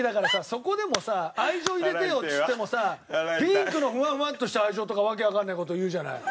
そこでもさ愛情入れてよっつってもさピンクのふわふわっとした愛情とか訳わかんねえ事言うじゃない。